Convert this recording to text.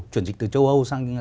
chuyển dịch từ châu âu sang châu á